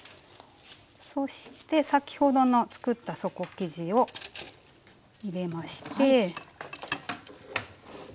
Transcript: そして先ほどの作った底生地を入れまして。